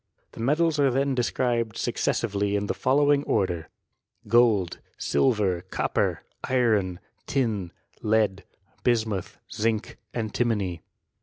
The metSs are then described successively, in the following order x Gold, silver, copper, iron, tin, lead, bismuth, zinc^ ^timony.